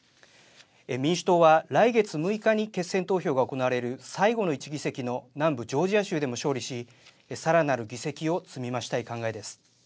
民主党は来月６日に決選投票が行われる最後の１議席の南部ジョージア州でも勝利しさらなる議席を積み増したい考えです。